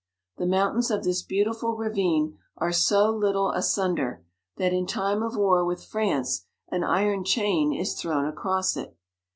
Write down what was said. The mountains of this beautiful ravine are so little asunder, that in tipie of war with France an iron chain is thrown across it.